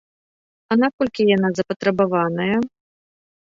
А наколькі яна запатрабаваная?